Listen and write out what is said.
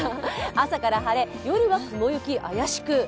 朝から晴れ、夜は雲行き怪しく？